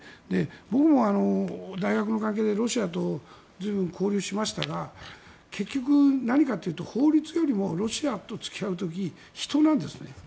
僕も大学の関係でロシアとは随分、交流しましたが結局何かというと法律よりもロシアと付き合う時は人なんですね。